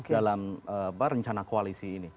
dalam berencana koalisi ini